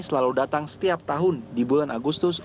selalu datang setiap tahun di bulan agustus